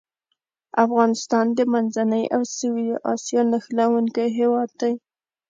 افغانستان د منځنۍ او سویلي اسیا نښلوونکی هېواد دی.